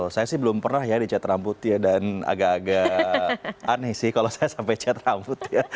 saya sih belum pernah ya di cat rambut ya dan agak agak aneh sih kalau saya sampai cat rambut ya